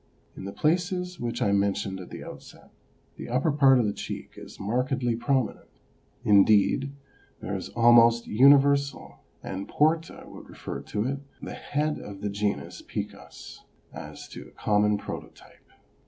In the places which I mentioned at the outset, the upper part of the cheek is markedly prominent ; indeed, this is almost universal, and Porta would refer it to the head of the genus pecus as to a common prototype.